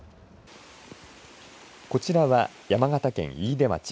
こちらは山形県飯豊町。